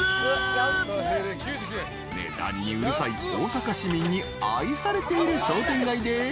［値段にうるさい大阪市民に愛されている商店街で］